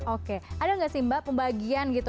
oke ada nggak sih mbak pembagian gitu